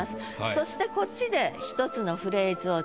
そしてこっちで１つのフレーズを作ると。